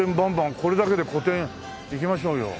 これだけで個展いきましょうよ。